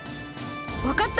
わかった！